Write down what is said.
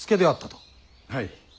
はい。